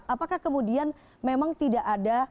apakah kemudian memang tidak ada